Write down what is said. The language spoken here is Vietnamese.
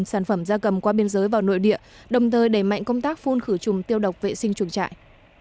sản phẩm da cầm qua biên giới vào nội địa đồng thời đẩy mạnh công tác phun khử trùng tiêu độc vệ sinh chuồng trại